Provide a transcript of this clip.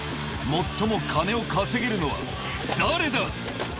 最も金を稼げるのは誰だ？